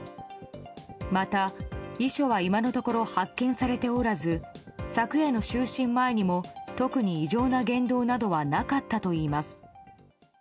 また、遺書は今のところ発見されておらず昨夜の就寝前にも特に異常な言動などはなかったといいます。